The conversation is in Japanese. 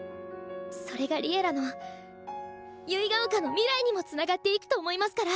それが「Ｌｉｅｌｌａ！」の結ヶ丘の未来にもつながっていくと思いますから！